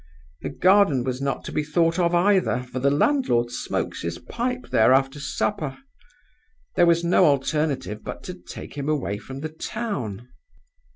The garden was not to be thought of either, for the landlord smokes his pipe there after his supper. There was no alternative but to take him away from the town.